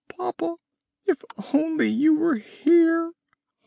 papa! if only you were here!"